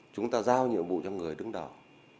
chúng ta giao nhiệm vụ cho người đứng đầu